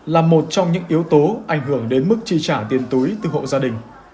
là một trong những yếu tố ảnh hưởng đến mức chi trả tiền túi từ hộ gia đình